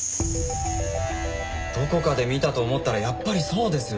どこかで見たと思ったらやっぱりそうですよ。